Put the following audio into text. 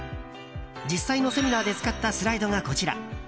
実際のセミナーで使ったスライドがこちら。